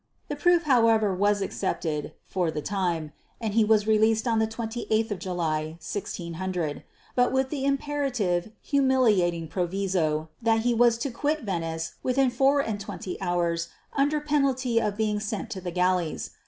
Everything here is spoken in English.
The proof however was accepted for the time; and he was released on the 28th of July, 1600 but with the imperative, humiliating proviso that he was to quit Venice within four and twenty hours under penalty of being sent to the galleys.